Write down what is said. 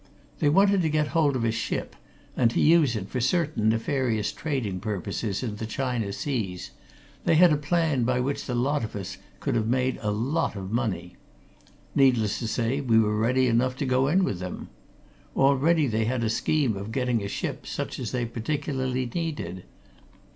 They wanted to get hold of a ship, and to use it for certain nefarious trading purposes in the China seas they had a plan by which the lot of us could have made a lot of money. Needless to say, we were ready enough to go in with them. Already they had a scheme of getting a ship such as they particularly needed.